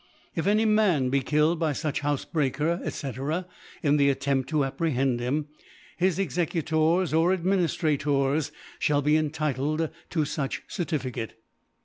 If any Man be killed by fuch Houfc breaker, 6?f. in the Attempt to apprehend him, his Executors or Adminiftrators fliall be entitled to fuch Certificate.